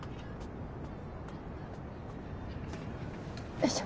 よいしょ。